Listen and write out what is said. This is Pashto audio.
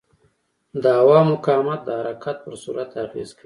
د هوا مقاومت د حرکت پر سرعت اغېز کوي.